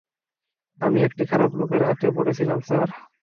আমি একটি খারাপ লোকের হাতে পড়েছিলাম স্যার।